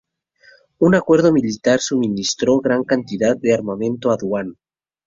Un acuerdo militar suministró gran cantidad de armamento a Duan.